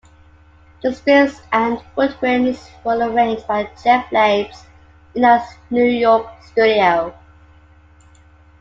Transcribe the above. The strings and woodwinds were arranged by Jef Labes in a New York studio.